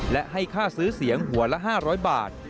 และให้ค่าซื้อเสียงหัวละ๕๐๐บาท